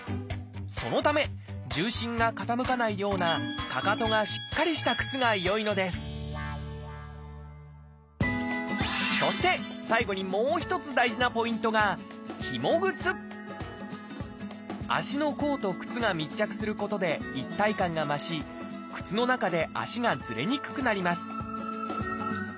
そのため重心が傾かないようなかかとがしっかりした靴が良いのですそして最後にもう一つ大事なポイントが足の甲と靴が密着することで一体感が増し靴の中で足がずれにくくなります